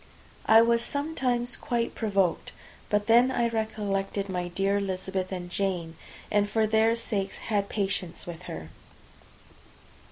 I was sometimes quite provoked; but then I recollected my dear Elizabeth and Jane, and for their sakes had patience with her.